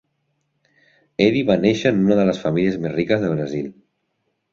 Eddy va néixer en una de les famílies més riques de Brasil.